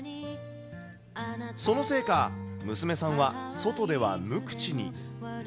そのせいか、娘さんは外では無口に。